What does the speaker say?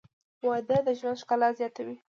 • واده د ژوند ښکلا زیاتوي.